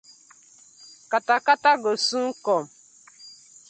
Kata kata go soon kom.